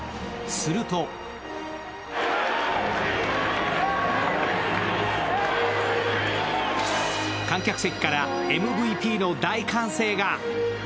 すると観客席からＭＶＰの大歓声が。